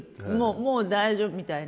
もう大丈夫」みたいな。